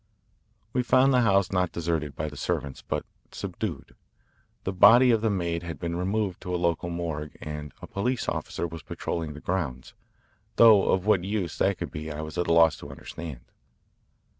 We found the house not deserted by the servants, but subdued. The body of the maid had been removed to a local morgue, and a police officer was patrolling the grounds, though of what use that could be I was at a loss to understand.